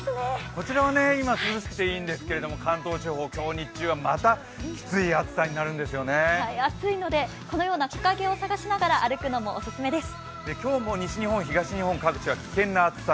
こちらは今涼しくていいんですけれども、関東地方、日中また、きつい暑さになるんですよね暑いのでこのような木陰を探しながら歩くのもオススメです。